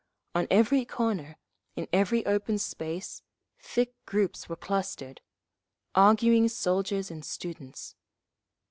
On every corner, in every open space, thick groups were clustered; arguing soldiers and students.